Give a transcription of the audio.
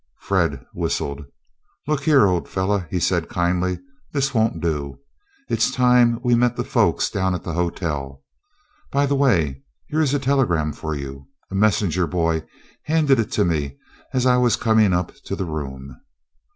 Fred whistled. "Look here, old fellow," he said, kindly, "this won't do. It's time we met the folks down at the hotel. By the way, here is a telegram for you. A messenger boy handed it to me, as I was coming up to the room."